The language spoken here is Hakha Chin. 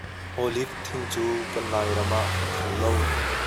Olive thing cu kan Lairam ah a kho lo.